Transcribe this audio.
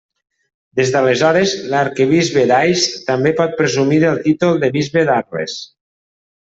Des d'aleshores, l'arquebisbe d'Ais també pot presumir del títol de bisbe d'Arles.